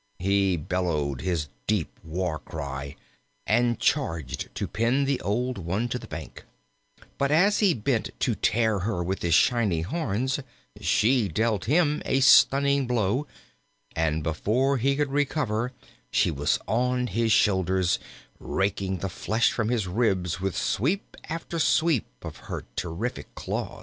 He bellowed his deep war cry, and charged to pin the old one to the bank; but as he bent to tear her with his shining horns, she dealt him a stunning blow, and before he could recover she was on his shoulders, raking the flesh from his ribs with sweep after sweep of her terrific claws.